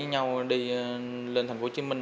nhau đi lên thành phố hồ chí minh